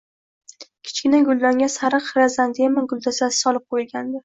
Kichkina guldonga sariq xrizantema guldastasi solib qo`yilgandi